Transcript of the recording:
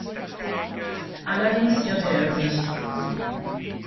Allerdings irrte er sich.